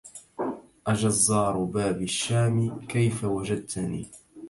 أجزار باب الشام كيف وجدتني